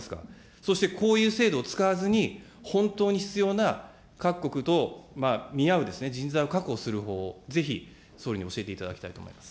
そしてこういう制度を使わずに、本当に必要な、各国と見合うですね、人材を確保する方法を、ぜひ総理に教えていただきたいと思います。